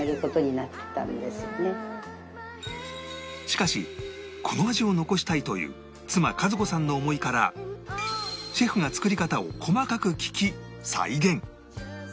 しかしこの味を残したいという妻カヅ子さんの思いからシェフが作り方を細かく聞き再現